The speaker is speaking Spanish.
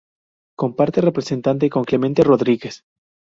Comparte representante con Clemente Rodríguez.